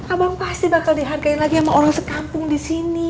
abang pasti bakal dihargain lagi sama orang sekampung disini